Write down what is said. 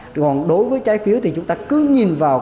thì còn đối với trái phiếu thì chúng ta cứ nhìn vào